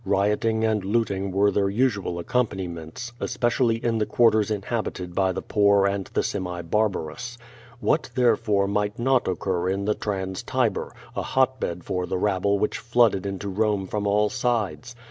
Rioting and looting were their usual accompaniments, especially in the quarters inhabited by the poor and the semi barbarous. Wliat, there fore, might not occur in the Trans Tiber, a hotbed for the rabble which flooded into Rome from all sides?